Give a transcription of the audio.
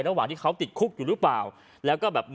ระหว่างที่เขาติดคุกอยู่รึเปล่า